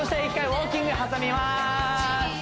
ウォーキング挟みます